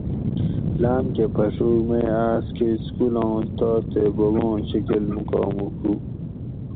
لام کہ پھڛوگ مے آس کہ سکولاں استاز تے بوباں شکل موکاموک ہُو